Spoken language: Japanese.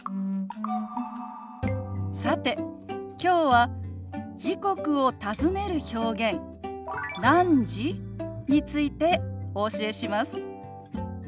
さてきょうは時刻を尋ねる表現「何時？」についてお教えします。